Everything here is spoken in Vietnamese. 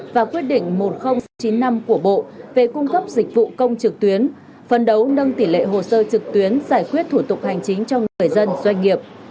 và quyết định một nghìn chín mươi năm của bộ về cung cấp dịch vụ công trực tuyến phân đấu nâng tỷ lệ hồ sơ trực tuyến giải quyết thủ tục hành chính cho người dân doanh nghiệp